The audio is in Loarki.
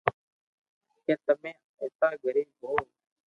ڪي تمي ايتا غريب ھون